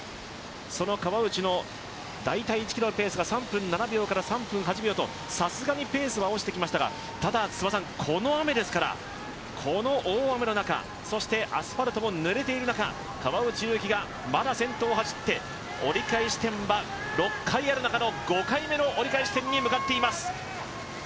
その川内の大体１ｋｍのペースが３分７秒から３分８秒とさすがにペースは落ちてきましたが、ただ、この雨ですから、この大雨の中そしてアスファルトもぬれてる中、川内優輝がまだ先頭を走って、折り返し地点が６回ある中の５回目の折り返し地点に向かっています。